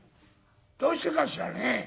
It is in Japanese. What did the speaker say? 「どうしてかしらね？」。